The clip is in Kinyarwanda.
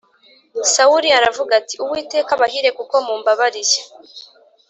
Sawuli aravuga ati “Uwiteka abahire kuko mumbabariye.